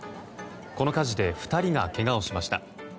この火事で、２人がけがをしました。